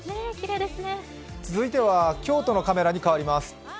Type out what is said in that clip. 続いては京都のカメラに変わります。